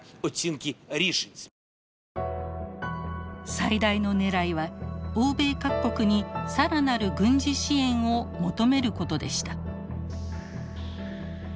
最大のねらいは欧米各国に更なる軍事支援を求めることでした。